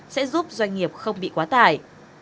sẽ giúp doanh nghiệp không bị quá tải